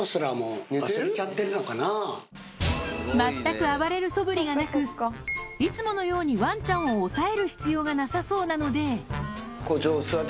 全く暴れるそぶりがなくいつものようにワンちゃんを押さえる必要がなさそうなのであっ